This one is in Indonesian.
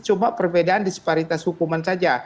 cuma perbedaan disparitas hukuman saja